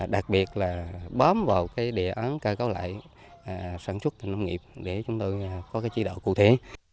đặc biệt là bám vào cái đề án cao cấu lại sản xuất nông nghiệp để chúng ta có cái chỉ đạo cụ thể